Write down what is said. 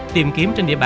tìm kiếm trên địa bàn